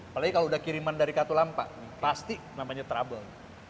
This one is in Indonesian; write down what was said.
apalagi kalau udah kiriman dari katulampa pasti namanya trouble